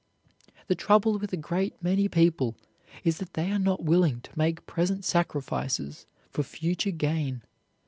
The trouble with a great many people is that they are not willing to make present sacrifices for future gain.